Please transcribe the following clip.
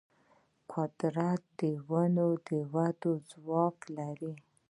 قدرت د ونو د ودې ځواک لري.